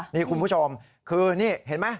นี่คุณผู้ชมคือนี่เห็นไหม